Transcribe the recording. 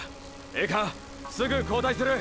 ええかすぐ交代する！！